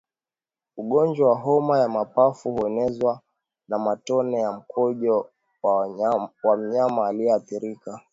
Ugonjwa wa homa ya mapafu huenezwa na matone ya mkojo wa mnyama aliyeathirika